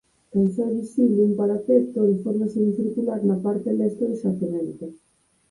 Tan só é visible un parapeto de forma semicircular na parte leste do xacemento.